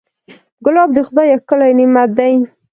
ګلاب د خدای یو ښکلی نعمت دی.